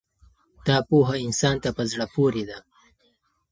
دا پوهه انسان ته په زړه پورې ده.